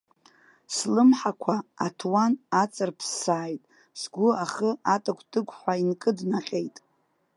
Слымҳақәа аҭуан ааҵырԥссааит, сгәы ахы атыгәтыгәҳәа инкыднаҟьеит.